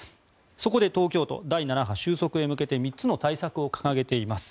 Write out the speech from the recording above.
そこで東京都第７波収束へ向けて３つの対策を掲げています。